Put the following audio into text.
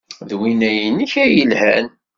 D winna-nnek ay yelhan.